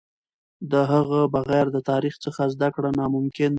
د هغه بغیر د تاریخ څخه زده کړه ناممکن ده.